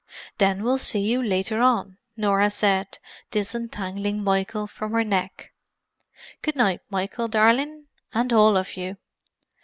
"Then we'll see you later on," Norah said, disentangling Michael from her neck. "Good night, Michael, darling; and all of you."